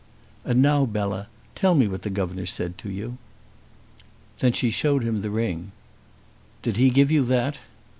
"And now, Bella, tell me what the governor said to you." Then she showed him the ring. "Did he give you that?"